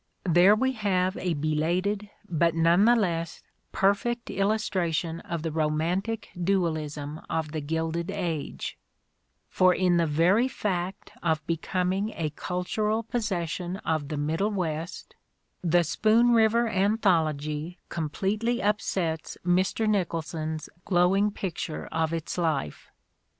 There we have a belated but none the less perfect illustration of the romantic dualism of the Gilded Age ; for in the very fact of becoming a cultural possession of the Middle West, the "Spoon River Anthology" completely upsets Mr. Nicholson's glowing picture of its life.